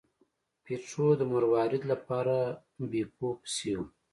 پیټرو د مروارید لپاره بیپو پسې و.